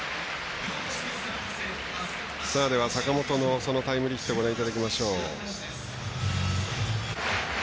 坂本のそのタイムリーヒットご覧いただきましょう。